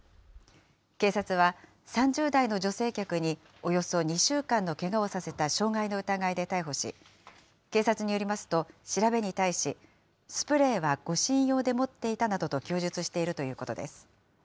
警察は３０代の女性客におよそ２週間のけがをさせた傷害の疑いで逮捕し、警察によりますと、調べに対し、スプレーは護身用で持っていたなどと供述しているということです。